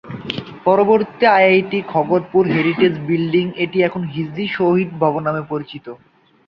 পরবর্তীতে আইআইটি-খড়গপুর heritage building, এটি এখন হিজলি শহীদ ভবন নামে পরিচিত।